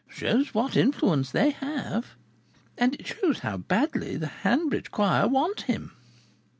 Shows what influence they have! And it shows how badly the Hanbridge Choir wants him."